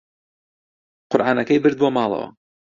قورئانەکەی برد بۆ ماڵەوە.